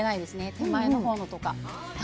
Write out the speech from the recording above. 手前のほうのとか。